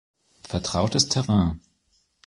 Vertrautes Terrain.